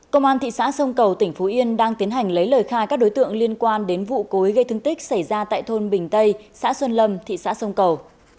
công an thị xã sông cầu tỉnh phú yên đang tiến hành lấy lời khai các đối tượng liên quan đến vụ cối gây thương tích xảy ra tại thôn bình tây xã xuân lâm thị xã sông cầu